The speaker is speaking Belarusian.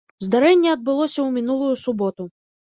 Здарэнне адбылося ў мінулую суботу.